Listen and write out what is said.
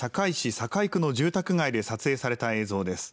堺区の住宅街で撮影された映像です。